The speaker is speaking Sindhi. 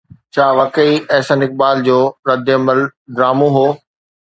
ڇا واقعي احسن اقبال جو ردعمل ڊرامو هو؟